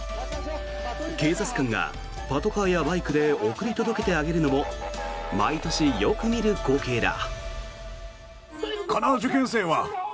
警察官がパトカーやバイクで送り届けてあげるのも毎年よく見る光景だ。